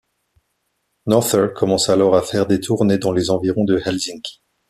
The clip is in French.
Norther commence alors à faire des tournées dans les environs de Helsinki.